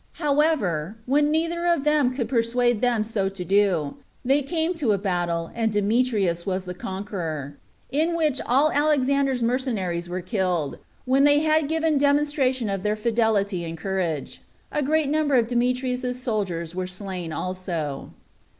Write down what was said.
However, when neither of them could persuade them so to do, they came to a battle, and Demetrius was the conqueror; in which all Alexander's mercenaries were killed, when they had given demonstration of their fidelity and courage. A great number of Demetrius's soldiers were slain also.